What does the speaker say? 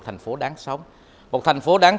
thành phố đáng sống một thành phố đáng